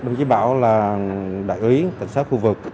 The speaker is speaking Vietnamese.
đồng chí bảo là đại úy cảnh sát khu vực